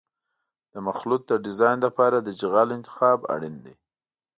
د مخلوط د ډیزاین لپاره د جغل انتخاب اړین دی